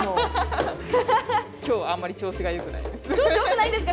今日あんまり調子がよくないです。